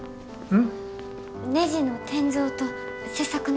うん。